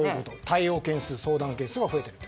対応件数、相談件数が増えている。